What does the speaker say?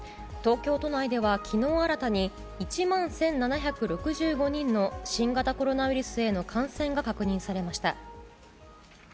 東京都内では、きのう新たに１万１７６５人の新型コロナウイルスへの感染が確認されました。